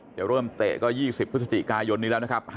จะเริ่มเตะก็๒๐พฤศจิกายนนี้แล้วนะครับ